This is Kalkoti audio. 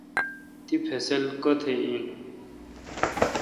تی فصل کتہ این؟